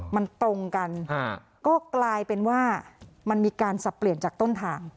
มันตรงกันก็กลายเป็นว่ามันมีการสับเปลี่ยนจากต้นทาง